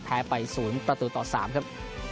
แพ้ไป๐ประตูต่อ๓ครับ